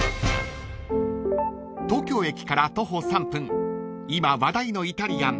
［東京駅から徒歩３分今話題のイタリアン］